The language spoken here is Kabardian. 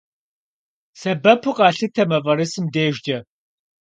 Сэбэпу къалъытэ мафӏэрысым дежкӏэ.